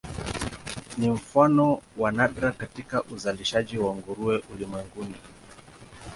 Ni mfano wa nadra katika uzalishaji wa nguruwe ulimwenguni.